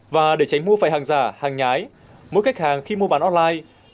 và để tránh mua phải hàng giả hàng nhái mỗi khách hàng khi mua bán online